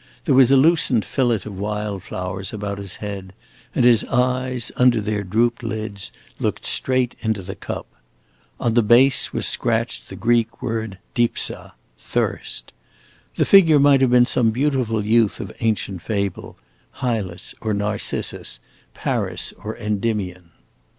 There was a loosened fillet of wild flowers about his head, and his eyes, under their drooped lids, looked straight into the cup. On the base was scratched the Greek word Î"á¼±ÏˆÎ±, Thirst. The figure might have been some beautiful youth of ancient fable, Hylas or Narcissus, Paris or Endymion.